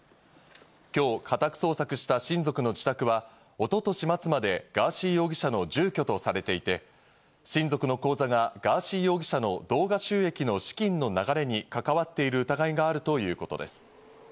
今日、家宅捜索した親族の自宅は一昨年末までガーシー容疑者の住居とされていて、親族の口座がガーシー容疑者の動画収益の資金の流れに関わっている疑いがあるということです。